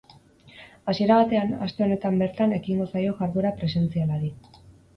Hasiera batean, aste honetan bertan ekingo zaio jarduera presentzialari.